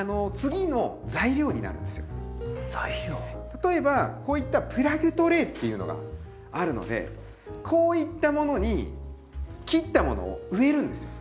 例えばこういったプラグトレイっていうのがあるのでこういったものに切ったものを植えるんですよ。